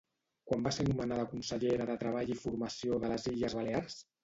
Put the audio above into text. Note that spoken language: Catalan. Quan va ser nomenada Consellera de Treball i Formació de les Illes Balears?